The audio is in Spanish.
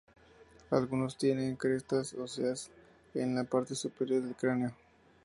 Algunos tienen crestas óseas en la parte superior del cráneo.